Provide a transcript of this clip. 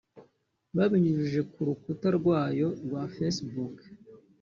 babinyujije ku rukuta rwaryo rwa Facebook